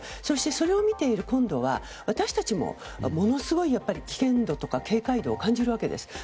そしてそれを見ている今度は私たちもものすごい危険度とか警戒度を感じるわけです。